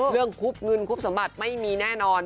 คุบเงินคุบสมบัติไม่มีแน่นอน